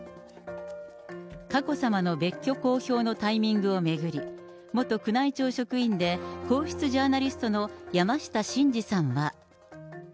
佳子さまの別居公表のタイミングを巡り、元宮内庁職員で皇室ジャーナリストの山下晋司さんは。